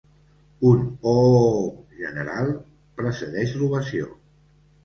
Un «ooooh!» general precedeix l'ovació.